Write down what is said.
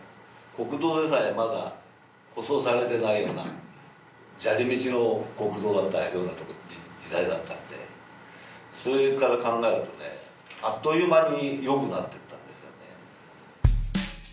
国道でさえまだ舗装されてないような砂利道の国道だったような時代だったんでそれから考えるとねあっという間によくなってったんですよね